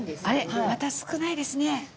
あれっまた少ないですね。